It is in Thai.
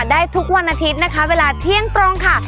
ได้ทุกวันอาทิตย์นะคะเวลาเที่ยงตรงค่ะ